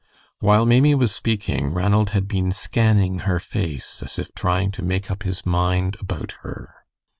While Maimie was speaking, Ranald had been scanning her face as if trying to make up his mind about her.